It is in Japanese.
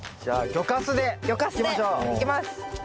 魚かすでいきます。